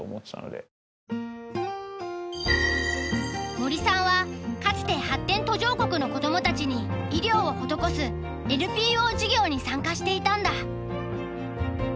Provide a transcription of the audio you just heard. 森さんはかつて発展途上国の子どもたちに医療を施すＮＰＯ事業に参加していたんだ。